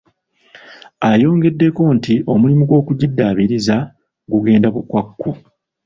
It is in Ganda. Ayongeddeko nti omulimu gw'okugiddaabiriza gugenda bukwakku.